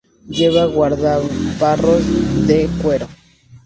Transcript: Lleva guardabarros de cuero.